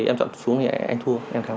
em chọn xuống thì em thua em thắng